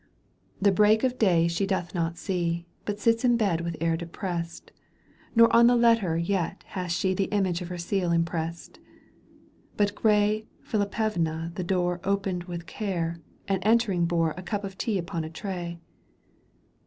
The break of day she doth not see, But sits in bed with air depressed, Nor on the letter yet hath she The image of her seal impressed. But gray Phillippevna the door Opened with care, and entering bore A cup of tea upon a tray.